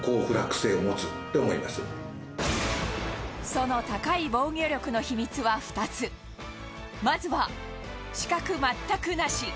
その高い防御力の秘密は２つまずは死角、全くなし！